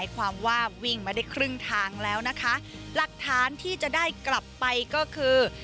ความว่าวิ่งมาได้ครึ่งทางแล้วนะคะหลักฐานที่จะได้กลับไปก็คือ